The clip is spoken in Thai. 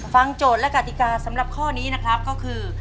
โจทย์และกติกาสำหรับข้อนี้นะครับก็คือ